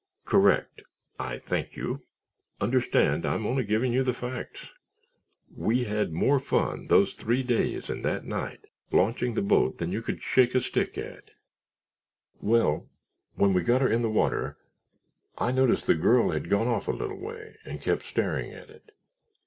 "Correct—I thank you. Understand, I'm only giving you the facts. We had more fun those three days and that night launching the boat than you could shake a stick at. Well, when we got her in the water I noticed the girl had gone off a little way and kept staring at it.